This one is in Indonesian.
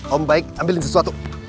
om baik ambilin sesuatu